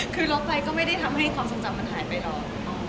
คือลบไปก็ไม่ได้ทำให้ความทรงจำมันหายไปหรอก